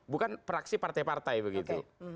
bukan praksi partai partai begitu